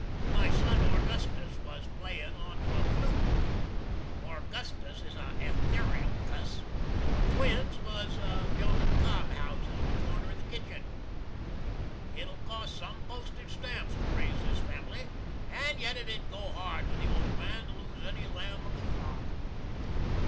My son ORGUSTUS was playin' onto a floot. ORGUSTUS is a ethereal cuss. The twins was bildin' cob houses in a corner of the kitchin'. It'll cost some postage stamps to raise this fam'ly, and yet it 'ud go hard with the old man to lose any lamb of the flock.